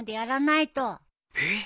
えっ？